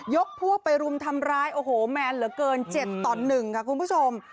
พวกไปรุมทำร้ายโอ้โหแมนเหลือเกิน๗ต่อ๑ค่ะคุณผู้ชม